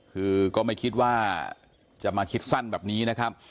คือก็ไม่คิดว่าจะมาคิดสั้นแบบนี้นะครับ